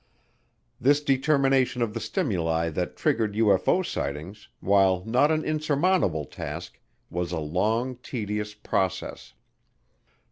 This determination of the stimuli that triggered UFO sightings, while not an insurmountable task, was a long, tedious process.